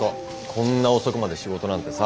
こんな遅くまで仕事なんてさ。